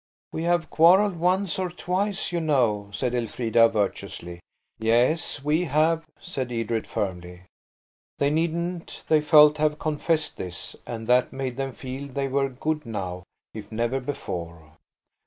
"We have quarrelled once or twice, you know," said Elfrida virtuously. "Yes, we have," said Edred firmly. They needn't, they felt, have confessed this–and that made them feel that they were good now, if never before.